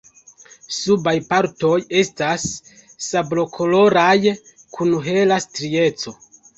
Subaj partoj estas sablokoloraj kun hela strieco.